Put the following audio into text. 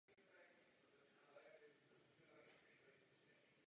Z geomorfologického pohledu spadá území do Táborské pahorkatiny.